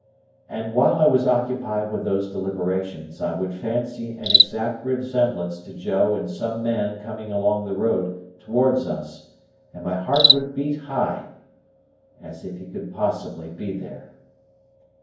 And while I was occupied with these deliberations, I would fancy an exact resemblance to Joe in some man coming along the road towards us, and my heart would beat high.—As if he could possibly be there!